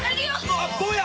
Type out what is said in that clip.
あっ坊や！